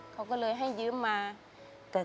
คุณหมอบอกว่าเอาไปพักฟื้นที่บ้านได้แล้ว